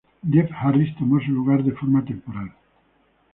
Jeff Harris tomó su lugar de forma temporal.